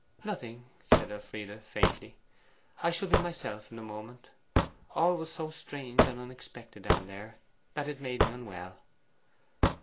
'Nothing,' said Elfride faintly. 'I shall be myself in a moment. All was so strange and unexpected down there, that it made me unwell.